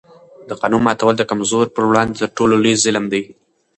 د قانون ماتول د کمزورو پر وړاندې تر ټولو لوی ظلم دی